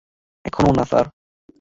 এখনও না, স্যার।